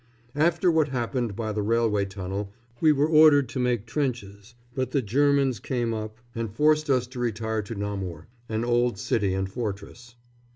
After what happened by the railway tunnel we were ordered to make trenches; but the Germans came up and forced us to retire to Namur, an old city and fortress.